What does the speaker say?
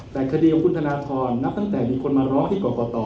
แต่คดีของคุณธนทรนับตั้งแต่มีคนมาร้องที่กรกต